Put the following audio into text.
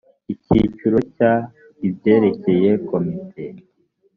icyiciro cya ibyerekeye komite